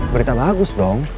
berita bagus dong